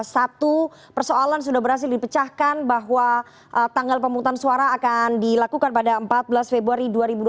satu persoalan sudah berhasil dipecahkan bahwa tanggal pemutusan suara akan dilakukan pada empat belas februari dua ribu dua puluh